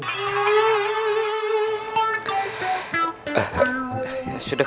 goyang naik turun